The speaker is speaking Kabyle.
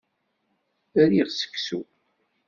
Riɣ seksu.